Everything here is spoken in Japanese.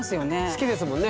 好きですもんね。